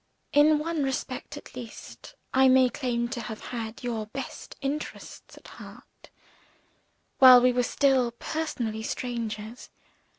"In one respect at least, I may claim to have had your best interests at heart while we were still personally strangers.